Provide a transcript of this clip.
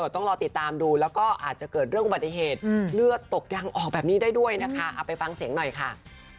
มีหมอดูทักว่าเธอจะดังมากนะคะ